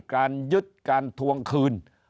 การยึดการทวงคืน